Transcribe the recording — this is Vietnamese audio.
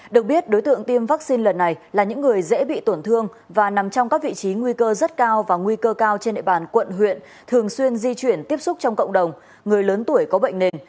được biết đối tượng tiêm vaccine lần này là những người dễ bị tổn thương và nằm trong các vị trí nguy cơ rất cao và nguy cơ cao trên địa bàn quận huyện thường xuyên di chuyển tiếp xúc trong cộng đồng người lớn tuổi có bệnh nền